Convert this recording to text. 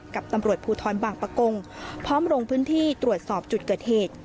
กับตำรวจภูทรบางประกงพร้อมลงพื้นที่ตรวจสอบจุดเกิดเหตุ